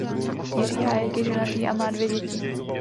Jiří Hájek je ženatý a má dvě děti.